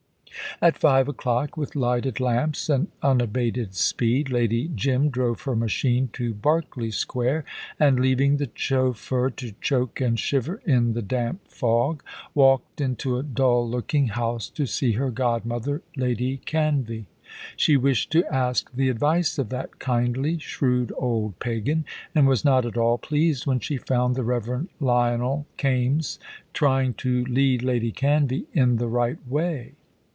At five o'clock, with lighted lamps and unabated speed, Lady Jim drove her machine to Berkeley Square, and, leaving the chauffeur to choke and shiver in the damp fog, walked into a dull looking house to see her godmother, Lady Canvey. She wished to ask the advice of that kindly, shrewd old pagan, and was not at all pleased when she found the Rev. Lionel Kaimes, trying to lead Lady Canvey in the right way.